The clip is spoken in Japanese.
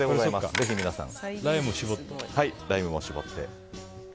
ぜひ皆さん、ライムも搾って。